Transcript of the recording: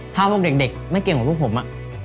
ถ้าพวกเด็กไม่เก่งกว่าพวกผม